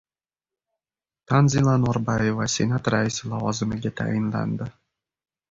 Tanzila Norboyeva Senat raisi lavozimiga tayinlandi